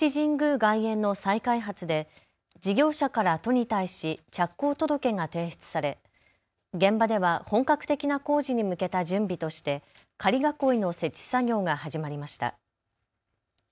外苑の再開発で事業者から都に対し着工届が提出され現場では本格的な工事に向けた準備として仮囲いの設置作業が始まりました。